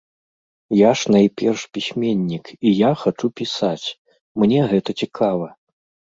Я ж найперш пісьменнік і я хачу пісаць, мне гэта цікава.